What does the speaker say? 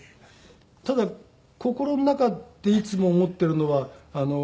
ただ心の中でいつも思っているのは。